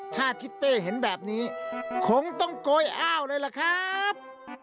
ถ้าทิศเป้เห็นแบบนี้คงต้องโกยอ้าวเลยล่ะครับ